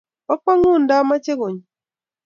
bo kwangut ndameche konyoo